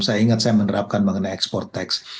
saya ingat saya menerapkan mengenai ekspor teks